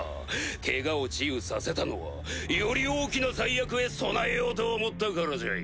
ケガを治癒させたのはより大きな災厄へ備えようと思ったからじゃい。